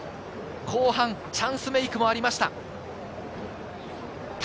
後半、チャンスメークもありました。